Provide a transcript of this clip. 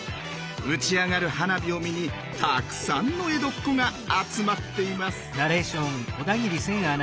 打ち上がる花火を見にたくさんの江戸っ子が集まっています。